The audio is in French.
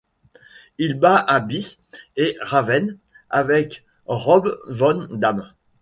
Il bat Abyss et Raven avec Rob Van Dam.